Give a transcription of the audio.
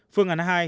phương án hai